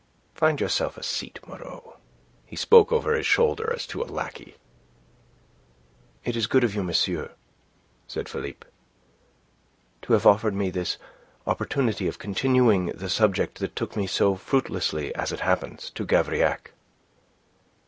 Find yourself a seat, Moreau." He spoke over his shoulder as to a lackey. "It is good of you, monsieur," said Philippe, "to have offered me this opportunity of continuing the subject that took me so fruitlessly, as it happens, to Gavrillac."